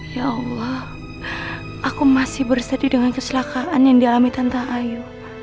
ya allah aku masih bersedih dengan kecelakaan yang dialami tante ayu